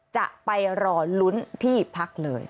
จะไปรอลุ้นที่พักเลย